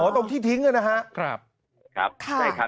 อ๋อตรงที่ทิ้งเนี่ยนะฮะ